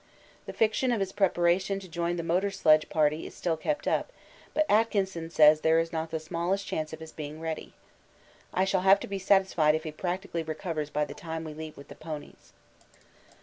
The fiction of his preparation to join the motor sledge party is still kept up, but Atkinson says there is not the smallest chance of his being ready. I shall have to be satisfied if he practically recovers by the time we leave with the ponies.